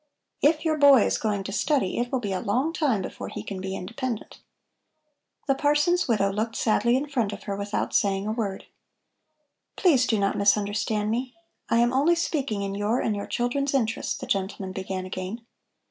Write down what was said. If your boy is going to study, it will be a long time before he can be independent." The parson's widow looked sadly in front of her without saying a word. "Please do not misunderstand me. I am only speaking in your and your children's interest," the gentleman began again.